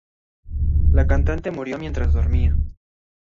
La cantante murió mientras dormía.